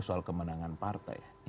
soal kemenangan partai